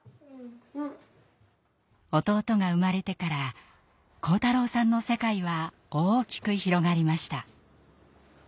弟が生まれてから晃太郎さんの世界は大きく広がりました。